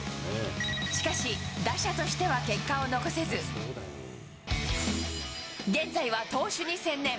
しかし、打者としては結果を残せず、現在は投手に専念。